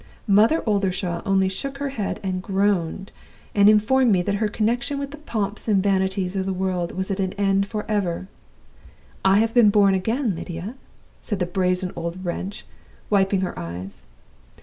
Mother Oldershaw only shook her head and groaned, and informed me that her connection with the pomps and vanities of the world was at an end forever. 'I have been born again, Lydia,' said the brazen old wretch, wiping her eyes.